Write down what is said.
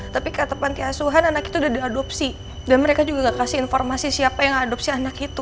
tapi kata panti asuhan anak itu udah diadopsi dan mereka juga gak kasih informasi siapa yang adopsi anak itu